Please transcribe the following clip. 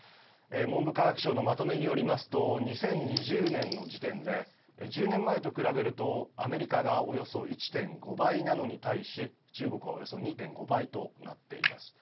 文部科学省のまとめによりますと２０２０年の時点で１０年前と比べるとアメリカがおよそ１．５倍なのに対し中国はおよそ２．５倍となっています。